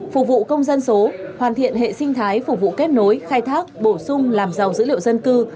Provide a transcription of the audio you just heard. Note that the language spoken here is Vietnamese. phục vụ công dân số hoàn thiện hệ sinh thái phục vụ kết nối khai thác bổ sung làm giàu dữ liệu dân cư